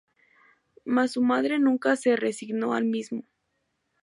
Mas su madre nunca se resignó al mismo.